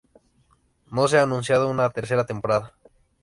No se ha anunciado una tercera temporada.